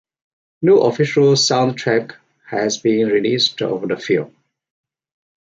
No official soundtrack has been released of the film.